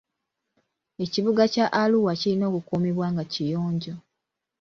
Ekibuga kya Arua kirina okukuumibwa nga kiyonjo .